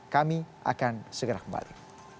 kami akan segera kembali